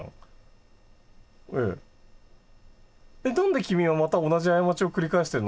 「何で君はまた同じ過ちを繰り返してるの？」